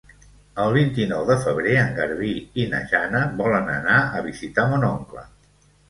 El vint-i-nou de febrer en Garbí i na Jana volen anar a visitar mon oncle.